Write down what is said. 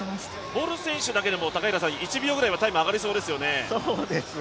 ボル選手だけでも１秒くらいタイム上がりそうですよね。